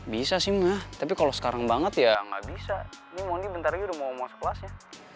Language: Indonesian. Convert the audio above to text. makasih ma tapi kalau sekarang banget ya nggak bisa ini monggi bentar lagi udah mau masuk kelasnya